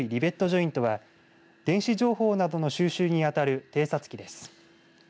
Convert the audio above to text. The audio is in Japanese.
ジョイントは電子情報などの収集にあたる偵察機です。